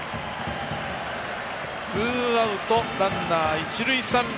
ツーアウトランナー、一塁三塁。